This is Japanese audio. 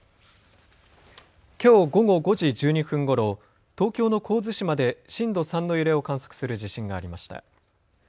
きょう午後５時１２分ごろ、東京の神津島で震度３の揺れを観測する地震がありました。